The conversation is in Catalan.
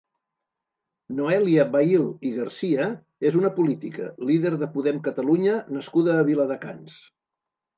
Noelia Bail i García és una política, líder de Podem Catalunya nascuda a Viladecans.